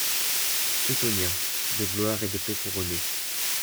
Teutonia, de gloire et de paix couronnée